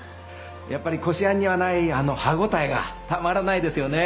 やっぱりこしあんにはないあの歯ごたえがたまらないですよね！